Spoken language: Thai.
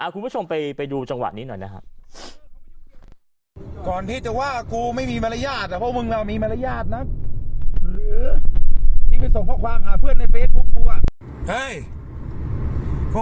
คุณผู้ชมไปดูจังหวะนี้หน่อยนะครับ